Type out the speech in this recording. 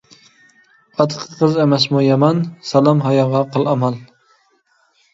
ئاتىقى قىز ئەمەسمۇ يامان، سالام ھاياغا قىل ئامال.